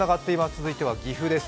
続いては岐阜です。